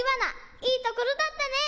いいところだったね。